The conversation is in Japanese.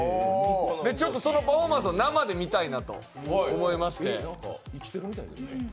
ちょっとそのパフォーマンスを生で見たいなと思いまして。